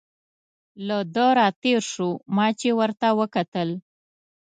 له ده را تېر شو، ما چې ورته وکتل.